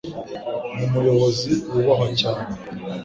ni umuyobozi wubahwa cyane.